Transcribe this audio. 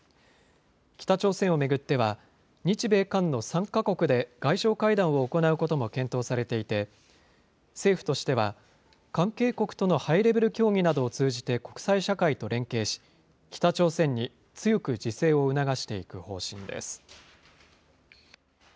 北朝鮮を巡っては、日米韓の３か国で外相会談を行うことも検討されていて、政府としては関係国とのハイレベル協議などを通じて国際社会と連携し、北朝鮮に強く自制を促していく方針です。